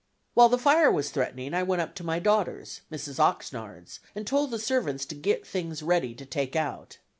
While the fire was threatening, I went up to my daughter's (Mrs. Oxnard's) and told the servants to get things ready to take out.